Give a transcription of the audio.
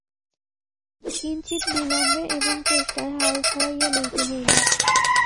কিঞ্চিৎ বিলম্বে এবং চেষ্টায় হাল ছাড়াইয়া লইতে হইল।